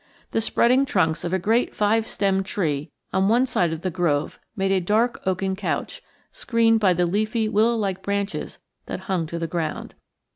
The spreading trunks of a great five stemmed tree on one side of the grove made a dark oaken couch, screened by the leafy willow like branches that hung to the ground.